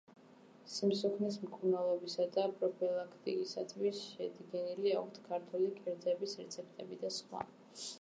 სიმსუქნის მკურნალობისა და პროფილაქტიკისათვის შედგენილი აქვს ქართული კერძების რეცეპტები და სხვა.